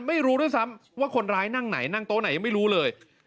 ไม่รู้ด้วยซ้ำว่าคนร้ายนั่งไหนนั่งโต๊ะไหนยังไม่รู้เลย